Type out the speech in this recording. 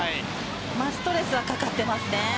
ストレスがかかっていますね。